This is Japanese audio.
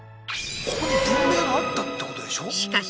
ここに文明があったってことでしょ？